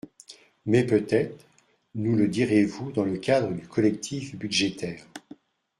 Mais peut-être nous le direz-vous dans le cadre du collectif budgétaire.